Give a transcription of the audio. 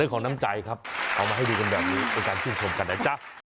ของน้ำใจครับเอามาให้ดูกันแบบนี้เป็นการชื่นชมกันนะจ๊ะ